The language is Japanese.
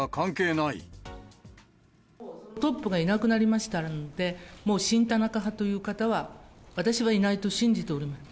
トップがいなくなりましたので、もう親田中派という方は、私はいないと信じております。